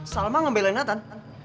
salma ngebelain natan